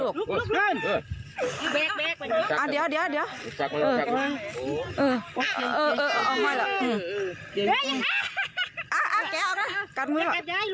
กัดมือ